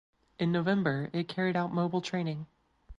In November it carried out mobile training.